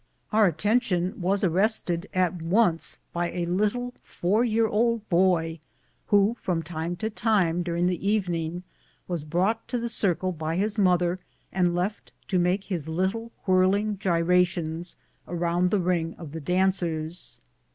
Our attention was arrested at once by a little four year old boy, who, from time to time during the evening, was brought to the circle by his mother, and left to make his little whirling gyrations around the ring of the dan cers.